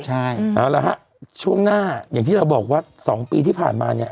ใช่เอาละฮะช่วงหน้าอย่างที่เราบอกว่า๒ปีที่ผ่านมาเนี่ย